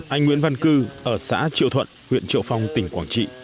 anh nguyễn văn cư ở xã triệu thuận huyện triệu phong tỉnh quảng trị